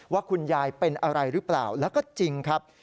ว่าคุณยายเป็นอะไรหรือเปล่าแล้วก็จริงครับ